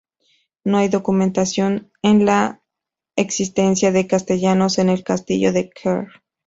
No hay documentación de la existencia de castellanos en el castillo de Quer.